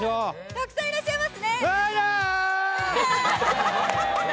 たくさんいらっしゃいますね。